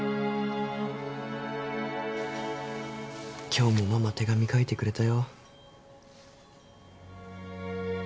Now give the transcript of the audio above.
今日もママ手紙書いてくれたよ。